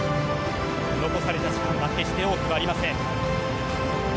残された時間は決して多くはありません。